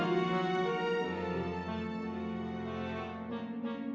sayang ade please dairy selalu terima kasih